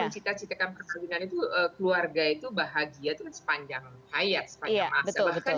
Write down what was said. kita menciptakan perkahwinan itu keluarga itu bahagia itu kan sepanjang hayat sepanjang masa